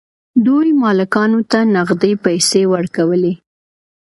دوی مالکانو ته نغدې پیسې ورکولې.